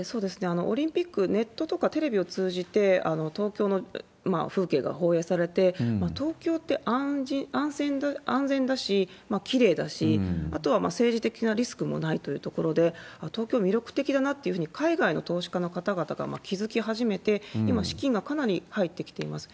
オリンピック、ネットとかテレビを通じて、東京の風景が放映されて、東京って安全だし、きれいだし、あとは政治的なリスクもないというところで、東京は魅力的だなっていうふうに海外の投資家の方々が気付き始めて、今、資金がかなり入ってきています。